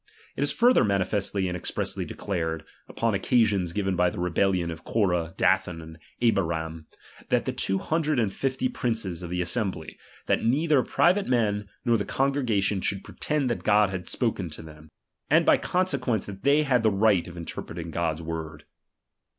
It is ^H further manifestly and expressly declared, upon ^^M occasion given by the rebellion of Corah, Dathan, ^^M and Abiram, and the two hundred and fifty princes ^H of the assembly, that neither private men nor the ^H congregation should pretend that God had spoken ^H by them, and by consequence that they had the ^H right of interpreting GoiFs word.